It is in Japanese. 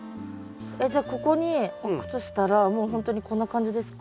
えっじゃあここに置くとしたらもうほんとにこんな感じですか？